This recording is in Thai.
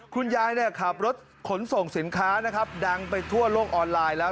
คุณยายขับรถขนส่งสินค้านะครับดังไปทั่วโลกออนไลน์แล้ว